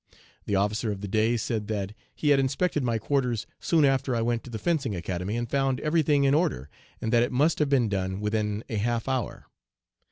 The officer of the day said that he had inspected my quarters soon after I went to the Fencing Academy and found everything in order, and that it must have been done within a half hour.